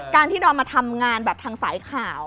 การที่ดอมมาทำงานแบบทางสายข่าว